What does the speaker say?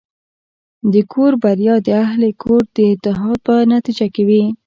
د کور بریا د اهلِ کور د اتحاد په نتیجه کې وي.